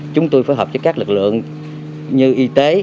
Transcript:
chúng tôi phối hợp với các lực lượng như y tế